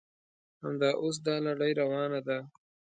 همدا اوس دا لړۍ روانه ده.